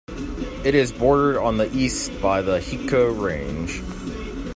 It is bordered on the east by the Hiko Range.